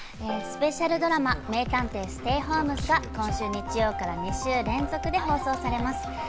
スペシャルドラマ『名探偵ステイホームズ』が今週日曜から２週連続で放送されます。